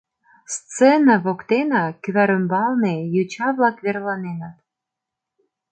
Сцене воктенак, кӱвар ӱмбалне, йоча-влак верланеныт.